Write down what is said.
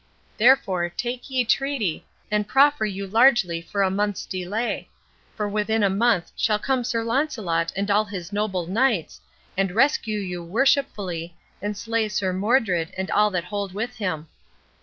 Therefore take ye treaty, and proffer you largely for a month's delay; for within a month shall come Sir Launcelot and all his noble knights, and rescue you worshipfully, and slay Sir Modred and all that hold with him."